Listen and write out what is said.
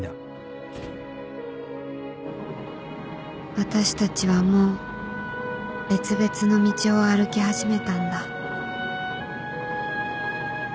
私たちはもう別々の道を歩き始めたんだ